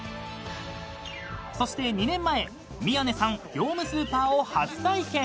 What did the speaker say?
［そして２年前宮根さん業務スーパーを初体験］